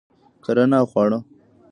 کرنه او خواړه